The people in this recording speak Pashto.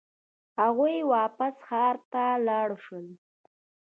هغوی واپس ښار ته لاړ شول.